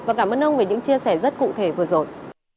và cảm ơn ông về những chia sẻ rất cụ thể vừa rồi